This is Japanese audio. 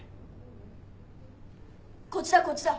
・こっちだこっちだ。